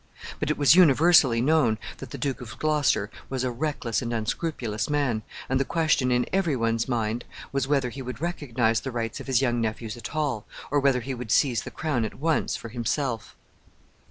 But it was universally known that the Duke of Gloucester was a reckless and unscrupulous man, and the question in every one's mind was whether he would recognize the rights of his young nephews at all, or whether he would seize the crown at once for himself.